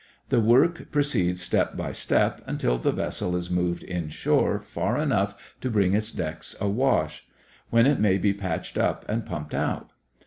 The work proceeds step by step, until the vessel is moved inshore far enough to bring its decks awash; when it may be patched up and pumped out.